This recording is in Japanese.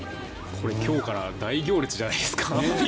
今日から大行列じゃないですか。